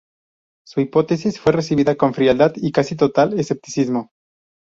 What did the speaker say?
Su hipótesis fue recibida con frialdad y casi total escepticismo.